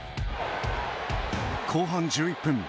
後半１１分